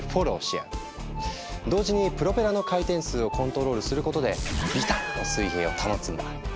同時にプロペラの回転数をコントロールすることでビタッと水平を保つんだ。